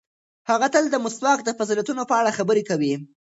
هغه تل د مسواک د فضیلتونو په اړه خبرې کوي.